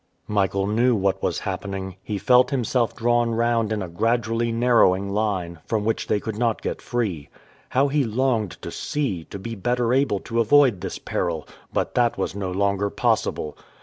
Michael knew what was happening. He felt himself drawn round in a gradually narrowing line, from which they could not get free. How he longed to see, to be better able to avoid this peril, but that was no longer possible.